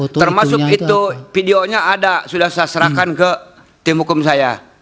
ya termasuk itu videonya ada sudah saya serahkan ke tim hukum saya